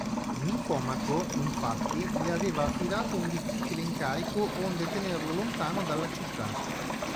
Nicomaco, infatti, gli aveva affidato un difficile incarico onde tenerlo lontano dalla città.